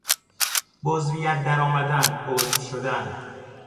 به عضویت درآمدن، عضو شدن